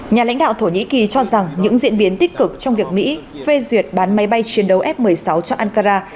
nhà lãnh đạo thổ nhĩ kỳ cho rằng những diễn biến tích cực trong việc mỹ phê duyệt bán máy bay chiến đấu f một mươi sáu cho ankara